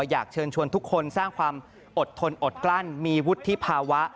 อยากเชิญชวนทุกคนสร้างความอดทนอดกลั้นมีวุฒิภาวะ